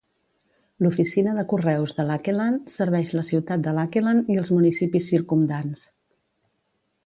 L'oficina de correus de Lakeland serveix la ciutat de Lakeland i els municipis circumdants.